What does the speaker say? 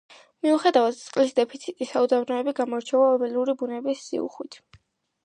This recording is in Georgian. მიუხედავად წყლის დეფიციტისა, უდაბნო გამოირჩევა ველური ბუნების სიუხვით.